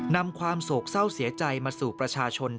นำความโศกเศร้าเสียใจมาสู่ประชาชน